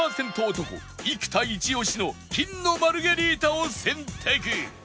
男生田イチオシの金のマルゲリータを選択